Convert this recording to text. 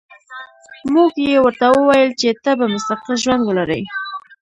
مور یې ورته وویل چې ته به مستقل ژوند ولرې